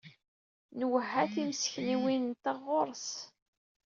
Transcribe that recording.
Nwehha timeskenwin-nteɣ ɣur-s.